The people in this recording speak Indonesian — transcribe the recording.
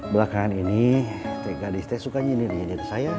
belakangan ini teh gadis teh suka nyinir nyinir saya